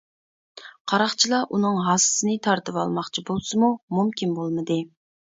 قاراقچىلار ئۇنىڭ ھاسىسىنى تارتىۋالماقچى بولسىمۇ مۇمكىن بولمىدى.